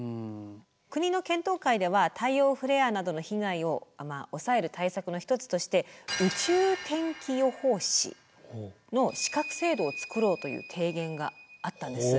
国の検討会では太陽フレアなどの被害を抑える対策の一つとして宇宙天気予報士の資格制度を作ろうという提言があったんです。